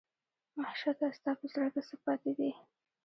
وحشته ستا په زړه کې څـه پاتې دي